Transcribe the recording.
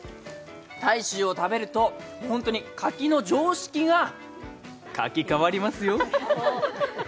太秋を食べると本当に柿の常識がカキ変わりますよ。